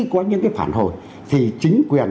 có những cái phản hồi thì chính quyền